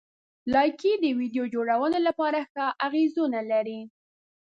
لایکي د ویډیو جوړونې لپاره ښه اغېزونه لري.